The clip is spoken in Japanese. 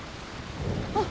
あっ。